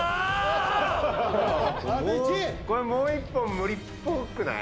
これ、もう１本無理っぽくない？